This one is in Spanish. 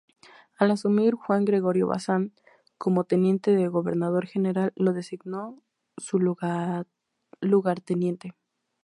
Al asumir Juan Gregorio Bazán como teniente de gobernador general, lo designó su lugarteniente.